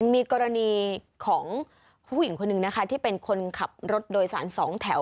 มีกรณีของผู้หญิงคนหนึ่งนะคะที่เป็นคนขับรถโดยสารสองแถว